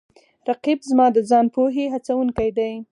رقیب زما د ځان پوهې هڅوونکی دی